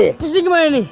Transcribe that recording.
terus ini gimana ini